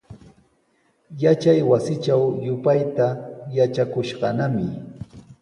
Yachaywasitraw yupayta yatrakushqanami.